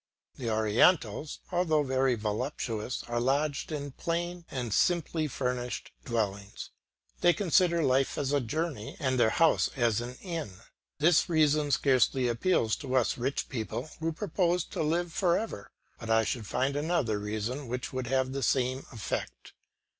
The Orientals, although very voluptuous, are lodged in plain and simply furnished dwellings. They consider life as a journey, and their house as an inn. This reason scarcely appeals to us rich people who propose to live for ever; but I should find another reason which would have the same effect.